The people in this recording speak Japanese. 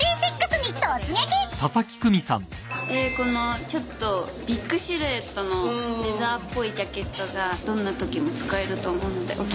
このビッグシルエットのレザーっぽいジャケットがどんなときも使えると思うのでお気に入りです。